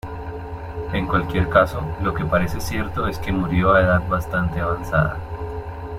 En cualquier caso, lo que parece cierto es que murió a edad bastante avanzada.